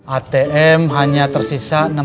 atm hanya tersisa